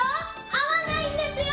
合わないんですよ。